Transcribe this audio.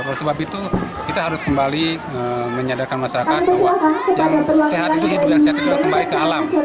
oleh sebab itu kita harus kembali menyadarkan masyarakat bahwa yang sehat itu hidup yang sehat itu sudah kembali ke alam